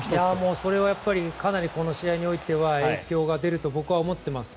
それはかなりこの試合においては影響が出ると僕は思っています。